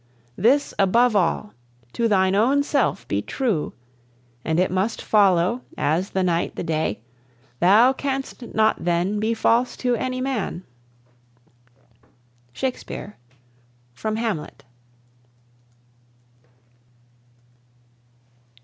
This above all: to thine own self be true; And it must follow, as the night the day, Thou canst not then be false to any man. SHAKESPEARE ("Hamlet").